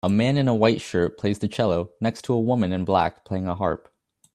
A man in a white shirt plays the cello next to a woman in black playing a harp